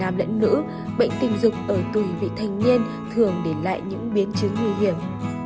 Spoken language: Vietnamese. nam lẫn nữ bệnh tình dục ở tuổi vị thanh niên thường để lại những biến chứng nguy hiểm